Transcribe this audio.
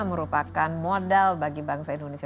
merupakan modal bagi bangsa indonesia